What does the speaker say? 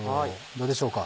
どうでしょうか？